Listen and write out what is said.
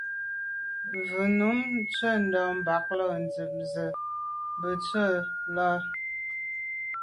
Mvə̌ nǔm nɔ́də́ bā lâ' ndíp zə̄ bū bə̂ tɔ̌ zə̄ lá' lá.